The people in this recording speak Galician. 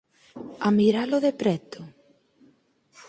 A miralo de preto?